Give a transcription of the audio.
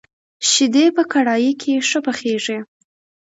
شيدې په کړايي کي ښه پخېږي.